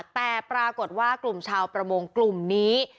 แต่ปรากฏว่ากลุ่มชาวประมงกลุ่มนี้